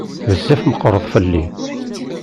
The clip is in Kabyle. Bezzaf meqqreḍ fell-i.